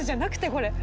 これ。